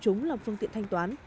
chúng là phương tiện thanh toán